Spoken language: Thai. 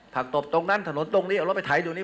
ตบตรงนั้นถนนตรงนี้เอารถไปไถดูนี้